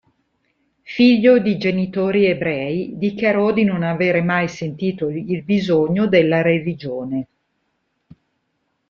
Figlio di genitori ebrei, dichiarò di "non avere mai sentito il bisogno della religione".